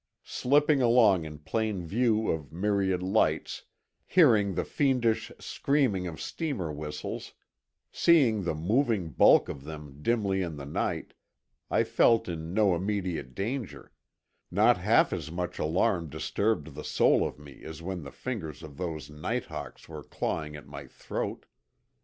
Slipping along in plain view of myriad lights, hearing the fiendish screaming of steamer whistles, seeing the moving bulk of them dimly in the night, I felt in no immediate danger—not half as much alarm disturbed the soul of me as when the fingers of those night hawks were clawing at my throat.